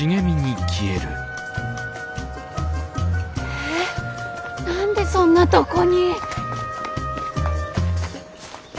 え何でそんなとこに。